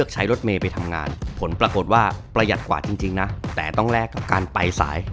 จริงนะแต่ต้องแลกกับการไปสาย